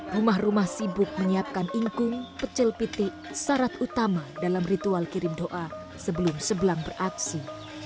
rumah rumah sibuk menyiapkan ingkung pecel pitik syarat utama dalam ritual kirim doa sebelum sebelang beraksi